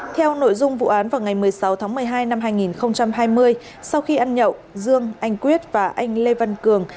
theo nội dung vụ án vào ngày một mươi sáu tháng một mươi hai năm hai nghìn hai mươi sau khi ăn nhậu dương anh quyết và anh lê văn cường